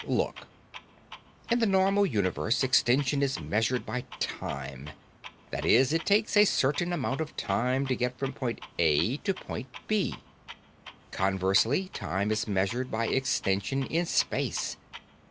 "Look. In the normal universe, extension is measured by time. That is, it takes a certain amount of time to get from point A to point B. Conversely, time is measured by extension in space.